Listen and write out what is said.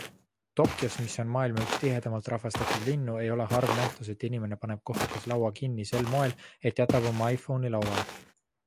Tokyos, mis on maailma üks tihedamalt rahvastatud linnu, ei ole harv nähtus, et inimene paneb kohvikus laua kinni sel moel, et jätab oma iPhone'i lauale.